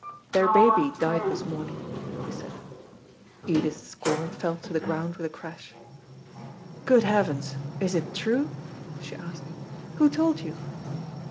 "Their baby died this morning," he said. Edith's score fell to the ground with a crash. "Good heavens! is it true?" she asked. "Who told you?"